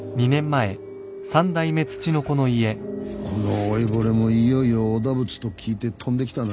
この老いぼれもいよいよおだぶつと聞いて飛んできたな。